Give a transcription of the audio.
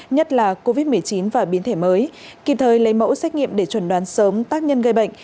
nhất là covid một mươi chín và biến thể mới kịp thời lấy mẫu xét nghiệm để chuẩn đoán sớm tác nhân gây bệnh